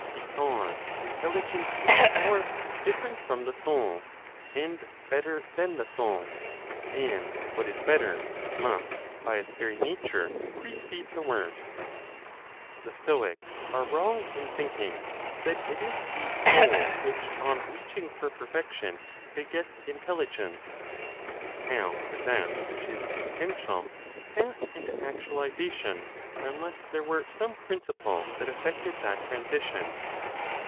Because Intelligence is a power different from the Soul, and better than the Soul; and what is better must, by its very nature, precede (the worst). The Stoics are wrong in thinking that it is the Soul which, on reaching her perfection, begets Intelligence. How could that which is potential pass into actualization unless there were some principle that effected that transition?